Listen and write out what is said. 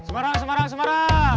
semarang semarang semarang